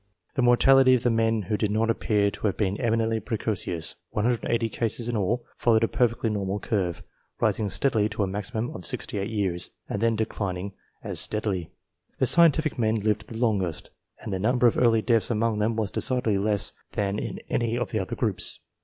The mortality of the men who did not appear to have been eminently pre cocious, 180 cases in all, followed a perfectly normal curve, rising steadily to a maximum at 68 years, and then de clining as steadily. The scientific men lived the longest, and the number of early deaths among them was decidedly less than in any of the other groups.